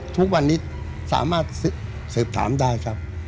ทุกวันนี้สามารถสืบถามได้ครับ